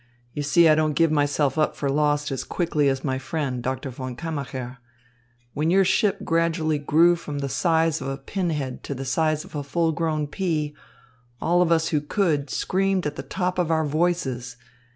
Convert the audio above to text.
You see I don't give myself up for lost as quickly as my friend, Doctor von Kammacher. When your ship gradually grew from the size of a pinhead to the size of a full grown pea, all of us who could, screamed at the top of our voices.